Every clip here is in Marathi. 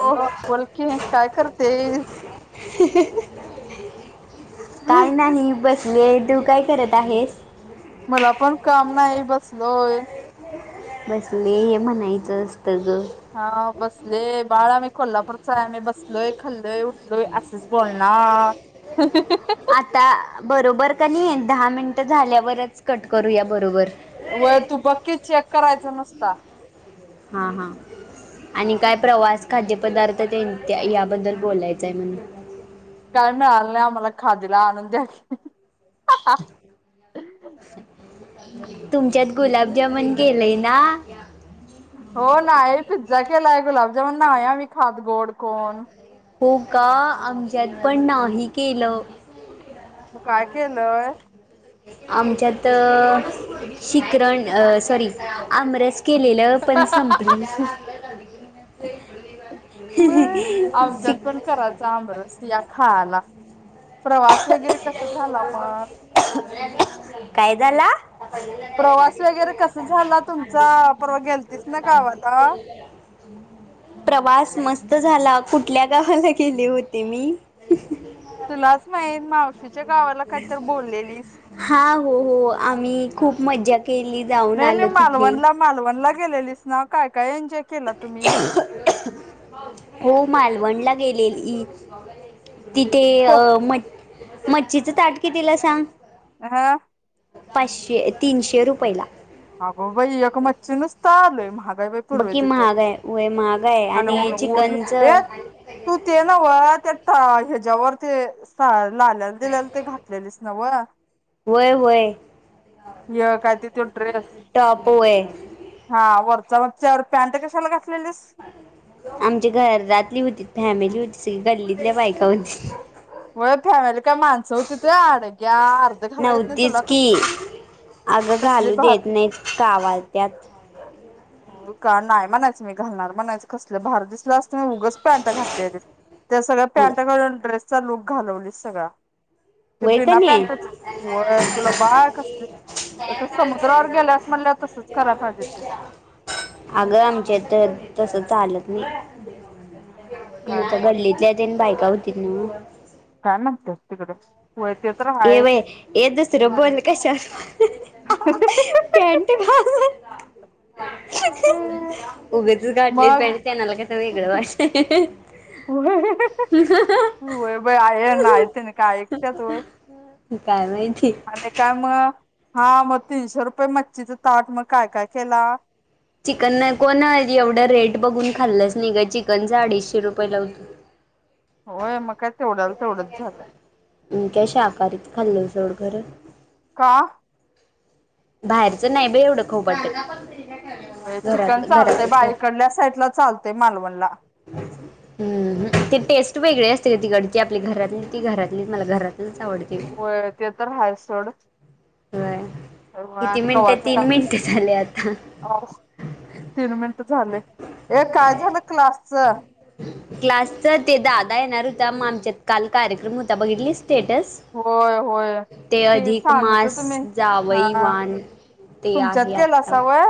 हो बोल कीे काय करतेस. [inaudible] काय नाही बस वेळ तू काय करत आहेस. मला पण काम नाही बसलोय. बसले हे म्हणायचं असतं ग. हा बसले बाळ आम्ही कोल्हापुरच आहे आम्ही बसलोय खाल्लोय उठलोय असच बोलनार. आता बरोबर कनी दहा मिनट झाल्यावरच कट करू या बरोबर. करायच नसता. हा हा. आणि काय प्रवास खाद्य पदार् [unintelligible] त्या याबद्दल बोलाय जाय म्ह काय मिळालं नाही आम्हाला खादीला आणून द्या. [inaudible] तुमच्यात गुलाबजामुन केलय ना? ओ नाही पिझ्झा केलाय गुलाबजामुन नाही आम्हीं खात गोड. कोण? हो का आमच्यात पण नाही केलं. मग काय केलंय? आमच्यात शीखरण अ सॉरी आमरस केलेलं पण संपलं. [inaudible] व आमजच्यात पण करायचा आमरस या खायाला. काय झाला? प्रवास वगैरे कस झाला तुमचा परवा गेलतीस ना गावाला प्रवास मस् त झाला कुठल्या गावाला गेले होते मी? तुलाचं मावशीच्या गावाला काहीतर बोललेलीस हा हो हो आम्ही खूप मज्जा केली जाऊन नाही आलो नाही तिथे मालवणला मालवणला गेलेलीस्ना काय काय एन्जॉय केला तुम्ही हो मालवणला गेलेली. तिथे कोक अ म मच्छीचं ताट कितीलाय सांग? [inaudible] पाशे अ तीशे रुपयला. आग बाई एक मछीं नुस्ता लई महाग बकी महाग हाय महाग व्हय महाग आहे आणि ऊन ऊन चिकनचं ये तू ते नव त्या हा हेज्यावर ते सा त लाल्यानं दिलाल ते घातलेलीस न्हव वय वय हे काय तो ड्रेस टॉप वय हा वर जवा च्यावर पॅन्ट कशाला घातलेलीस आमची घरातली हुतीत फॅमिली होती सगळी गल्लीतल्या बायका होती व्हय फॅमिली काय माणसं होतीत व्हय अडग्या अर्ध घालायत नाही तुला नव्हतीच की कसल भारी अगं कसली घालू भारी देत नाहीत कावाल त्यात मी का नाही म्हणायचं मी घालणार म्हणायचं कसलं भारी दिसलं असत तु उगाच पॅन्ट घातलेलीस त्या सगळ्या पॅन्ट घालून ड्रेस चा लूक घालवलीस सगळां ते व्हय बिना कणी पॅन्टच होय तुला बाळ कस तर त समुद्रावर गेल्यास म्हणल्या तसच करायला पाहिजे होतस अगं आमच्या तसं [inaudible] इथं नव्हच गल्लीतल्या तेन बायका होतीत ना काय म्हणत्यात ए बाई ए दुसर बोल कश्यावर पॅन्ट घालाय [inaudible] उगचचं घातली मग पॅन्ट त्यांनाला कस वेगळं वाटत. व्हय व्हय बाई आहे नाही त्यानं का व्हय काय माहिती आणि काय म हा मग तीनशे रुपये मच्छीचं ताट मग काय काय केला. चिकन कोण अ एवढं रेट बघून खाल्लंच नाही गं चिकनच अडीशे रुपये लाव होय मग काय तेवढ्याला तेवढंच झालं. मी काय शाकाहारीच खाल्लं सोड खरं. का? बाहेरचं नाही बाई एवढं खाऊ वाटतं. चिकन चालते बाईकडल्या साईड ला चालते मालवणला. हम् ते टेस्ट वेगळी असते तिकडची आपली घरातली ती घरातली मला घरात होय ते तर हाय सोड. होय होय किती आणि मिनिटं कव्हाच तीन का मिनिटं झाले आता. तीन मिनिट झाले हे काय झालं क्लासच. ता म आमच्यात काल कार्यक्रम होता बघितलीस स्टेट्स होय होय ते अधिक सानूच मास तुम्ही हा जावईवान ते तुमच्यात आहे आता केलासा व्हय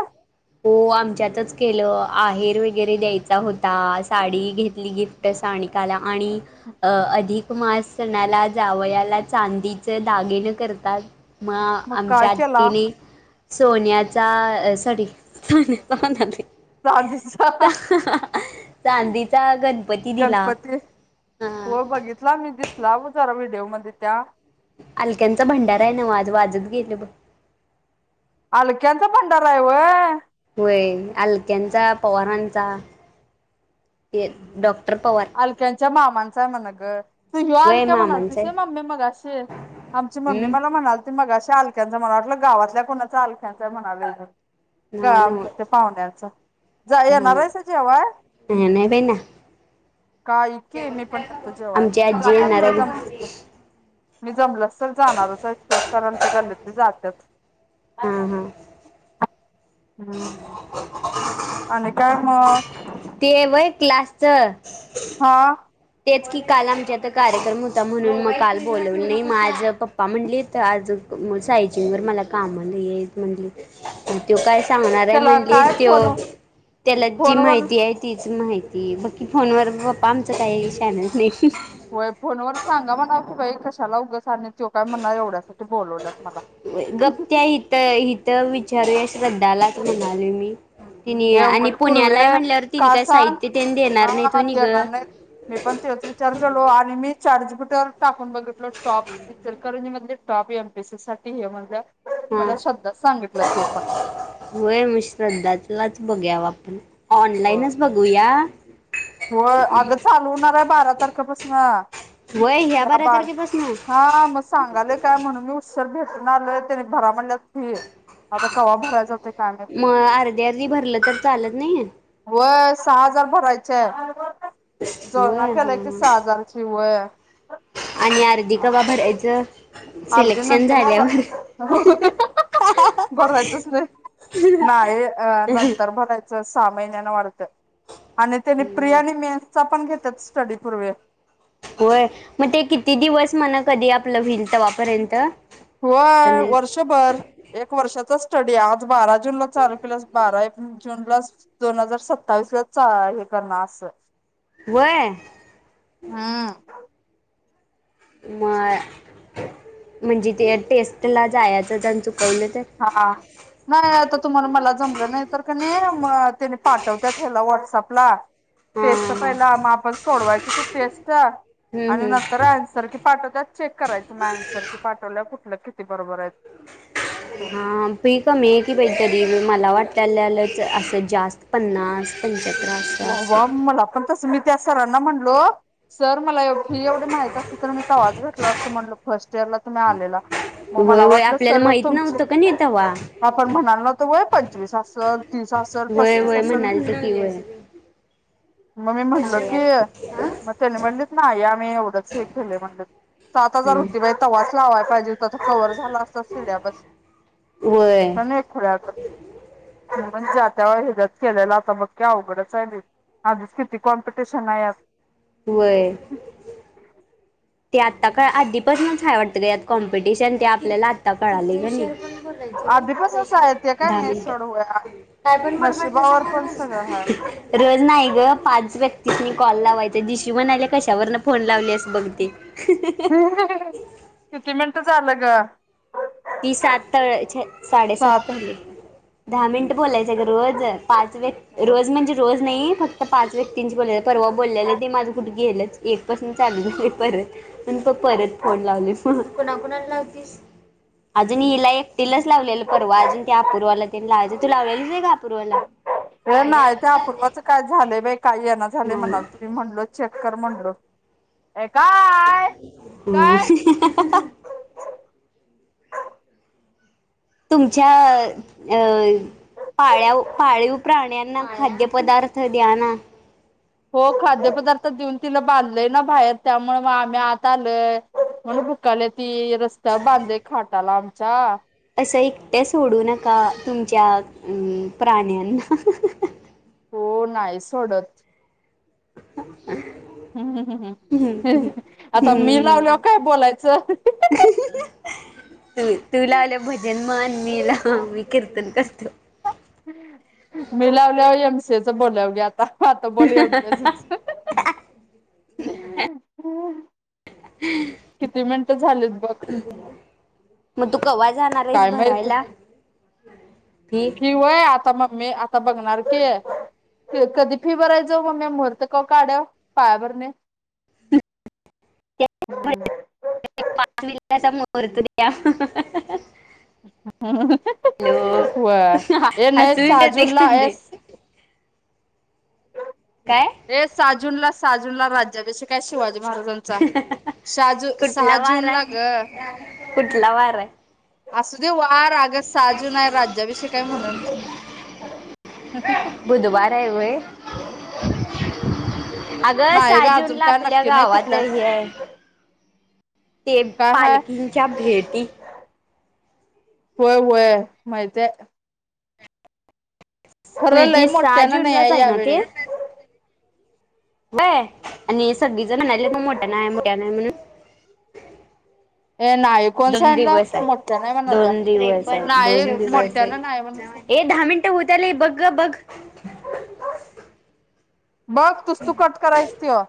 हो आमच्यातच केलं आहेर वगैरे द्यायचा होता साडी घेत ली गिफ्ट सानिकाला आणि अं अधिक मास सणाला जावयाला चांदीच दागिन करतात. म मग आमच्या काय केला आत्तीनी सोन्याचा साठी चांदीचा [unintelligible] चांदीचा गणपती दिला. गणपती हा देऊ मदे त्या अलक्यांचा भंडारा हाय न्हव आज वाजत गेल ब अलक्यांचा भंडारा हाय व्हय. होय आलक्यांचा पवारांचा ते डॉ. अलक्यांच्या माम मांचाय म्हणा ग त्यो हो व्हय आलीता म्हणून मामांचा आलतीस आहे. व्हय मम्मी मगाशी आमची मम्मी हम्म मला म्हणालती मगाश त्या अंलक्यांचं मला वाटलं गावातल्या कोणांच अलक्याचय म्हणालोय ग ग नव्ह नव्ह आमच्या ते पाहुण्यांचा जा या नव्ह. येनारयसा जेवाय ह नाही बाई ना काय के मी पण जातो जेव्हाय आमची मी आजी येणार जानारच आहे जमलच तर मी जमलंस तर जाणारचये सोड कारण ते गल्लीतली जात्यात. हा हा हाना आणि काय म ते व्हय क्लासचं हा तेच की काल आमच्या इत कार्यक्रम होता म्हणून म काल बोलवल नई म आज पप्पा म्हणलीत आज सायजिंग वर मला काम लई येत म्हणली त्यो काय सांगणार आहे त्याला म्हणली काय त्यो फोन त्याला जी फोनवर माहिती आहे तीच माहि ते बकी फोन व पप्पा आमचं काय [unintelligible] होय फोन वर सांगा म्हणावं की बाई कस् चला उगच आणिक त्यो काय म्हणणार एवढ्यासाठी बोलवल्यात मला चारूया श्रद्धालाच म्हणाले मी तिने आणि एवय पूर्वे पुण्याला आहे म्हटल्यावर तिने का काय सांग साहित्य त्यानी देणार नाही तो हा नि ग देणार नाहीत मी पण तेच विचार केलो आणि मी चॅट जीपीटीवर टाक. पण बघितल टॉप इचलकरंजी मधले टॉप एम पी सी साठी हे म्हणल्यात. हा व्हय [unintelligible] श्रद्धालाच बग्याव आपण होय ऑनलाईनच बघूया. [unintelligible] होय आग चालू हुणाराय बारा तार क पसन वय ह्या या बारा बार, तारखेपासून हा म सांगालोय काय म्हणून मी उशर भे टून आलोय तेनी भरा म्हणल्याच फी आता कवा भरायचं होतंय काय माहित म नाही. अर्धी अर्धी भरलं तर चालत नई? व्हय सहा हजार भराय च [unintelligible] वय जोलना केलोय की हां सहा हजारची व्हय आणि अर्धी कवा भरायचं? अर्धी सिलेक्शन नंतर न झाल्यावर भरायचं, भरायचंच नई, नाई अ नंतर भराय च सहा महिन्यान वाढत. आणि तेनी प्रि आणि मेन चा पण घेत्यात स्टडी पूर्वे होय म ते किती दिवस म्हण? कधी आपलं व्हिल तवा पर्यंत होय वर्षभर एक वर्षाच स स्टडी आज बारा जूनला चालू केल्यास बारा एप जूनलाच दोन हजार सत्तावीसलाच चा हे करणा अस व्हय? हम्म म म्हणजे ते टेस्टला जायाच त्यांच हा नाई आता तुम्हाला मला जमलं नाही तर कणी, म तेनी पाठव त्यात हेला व्हॉट्सअँप ला हां टेस्ट हां हां पहिला, म आपण सोडवायची ती टेस्ट हम्म आणि हम्म. नंतर ॲन्सर की पाठवत्यात चेक करायच, म ॲन्सर पाठवल्याव कुट ल किती बरोबर आइत. हा फी कमी ये की बई तरी मला वाट त्याल्यालच असं जास्त पन्नास पं वा वा मला पण तस मी मी सरांना म्हणलो सर मला फी एवढी माहत असते तर मी कवाच घेतला असतो म्हणल फर्स्ट इयरला तुम्ही आलेला मग वय मला वय वाटलं आपल्याला सर माहित तुमची नव्हतं का नाही तवा आपण म्हणालो नव्हतो व्हय पंचवीस असल तीस असल वय पस्तीस वय असल. म्हणाल तर की वय मग मी म्हटलो की मग त्याने म्हणलत नाही [unintelligible] मी एवढंच हे केलंय म्हणलं. सात हजार हम्म. होती बाई तवाच लावाय पाहिजे त कव्हवर झाला असत सिलेबस वय पन ए खुळ्यागत म्हणजे त्या केलेला आता बग. अवघडच आहे लै आधीच किती कॉम्पिटिशन आहे यात. व्हय. ते आत्ता कळल आधीपासनच हाय वाटत. त कॉम्पिटिशन ते आपल्याला आता कळालय [unintelligible] व्हय आधीपासूनच आहे ते काय दहा नाही मिनट सोड होय काय पण बडबडतासा नशिबावर मग पण सगळं हाय. रोज नाही नाही ग पाच व्यक्ती तिस कॉल लावायच दिशु म्हणालिया कशावरन फोन लावली अस बघते. [unintelligible] किती झालं ग. ती सात साडेसात सात. पयलि दहा मिनिट बोलायच ग रोज पाच व रोज म्हणजे रोज नाही फक्त पाच व्यक्तींचे बोलले परवा बोललेले ते माझं कुठे गेलंच की एक पासन चालू झालं परत आणि प परत फोन लावली मग कोणाकोणा लावतीस? अजून हिला एकटीलाच लावलेलं परवा अजून ते अपूर्वाला त्यां लावायच तू लावलेलीच व्हय ग अपूर्वाला? ते नाही ते अपूर्वा च काय झालय बाई काय येईना. झालय म्हणालतो मी म्हटलो कर म्हटलो. हम्म. तुमच्या अं पाळ्याव पाळीव प्राण्यांना खाद्यपदार्थ द्या ना. हो खाद्य पदार्थ देऊन तिला बांधलय ना बाहेर त्यामुळे मग आम्ही आत आलोय म्हणून भुकाले. ते रस्ता बांधलंय खाटा ला. जा. असं एकट्या सोडू नका तुमच्या अं प्राण्यांना हो नाही सोडतं. ह्. हम्म हम्म हम् आता मी लावल्यावर काय बोलायचं. तू लावल्यावर भजन म्हण मी कीर्तन करतो. च बोलावगे आता हा तर बोलुया अभ्यासाचं किती मिनिटं झालेत बघ मग तू काय माहीत हम् फी वय आता मग मे आ आत्ता बघणार की कधी फीफराय जाऊ मग मी मुहूर्त का काढव पायाभरणी त्या हम्म पर तुद ह, ह व्हय ए नाही हसूच येते का सहाजुनला नाही? काय? र साजूूनला साजूनला राज्या भीषेक हाय शिवाजी महाराजांचा सहा जू सहा कुठला वार जून ला आहे, ग कुठला वार आहे असू दे वार अगस् सहाजून आहे राज्याविषयी हाय म्हणून बुधवार हाय व्हय अग नाही ग अजून सहाजूनला काय आपल्या नक्की नाही गावात कुठल्या हीय ते काय हाय पालखींच्या भेटी होय वय माहितय खर लय किती सहा मोठ्यान नाही जूनलाच आहे यावेेळे बाय आणि सगळी जण म्हणाल्या म मोठ्या नाही मोठ्या नाही म्हणून ए नाही कोण दोन दिवस सांगीतलं आहे. मोठ्या नाही म्हणाल्या दोन दिवस आहे. दोन नाही मोठ्याला नाही म्हणस होतला बग ग बग बघ तूस तू कट करायच त